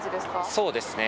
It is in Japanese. そうですね。